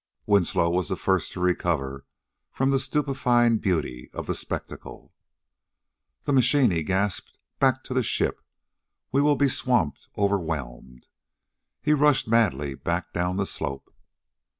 Winslow was the first to recover from the stupefying beauty of the spectacle. "The machine!" he gasped. "Back to the ship! We'll be swamped, overwhelmed...." He rushed madly back down the slope.